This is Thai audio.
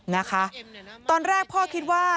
นะคะตอนแรกพ่อคิดว่า